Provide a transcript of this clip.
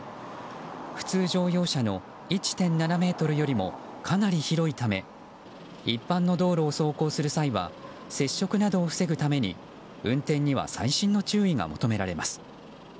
普通乗用車の１．７ｍよりもかなり広いため一般の道路を走行する際は接触などを防ぐために、運転には細心の注意が求められます。